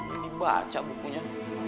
ini baca bukunya